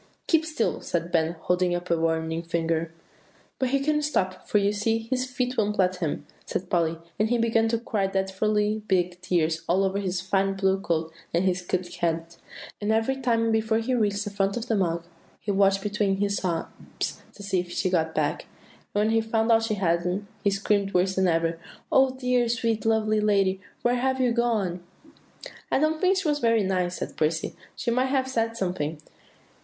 "Keep still," said Ben, holding up a warning finger. "But he couldn't stop, for you see his feet wouldn't let him," said Polly; "and he began to cry dreadfully big tears all over his fine blue coat and his cocked hat; and every time before he reached the front of the mug, he watched between his sobs, to see if she had got back; and when he found that she hadn't, he screamed worse than ever, 'Oh, dear, sweet, lovely lady! where have you gone?'" "I don't think she was nice," said Percy; "she might have said something."